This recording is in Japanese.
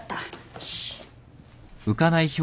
よし。